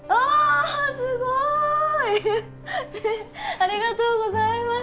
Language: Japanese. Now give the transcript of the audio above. ありがとうございます